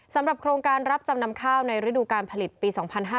สำหรับโครงการรับจำนำข้าวในฤดูการผลิตปี๒๕๕๙